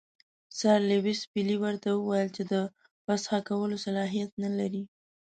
سر لیویس پیلي ورته وویل چې د فسخ کولو صلاحیت نه لري.